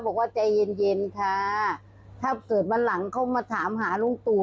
บอกว่าใจเย็นเย็นค่ะถ้าเกิดวันหลังเขามาถามหาลุงตู่